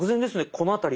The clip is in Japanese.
この辺り。